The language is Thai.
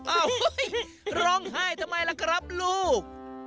ไอ้โยนล้องไห้ไทม์ล่ะเกลอให้รมไปหล่อ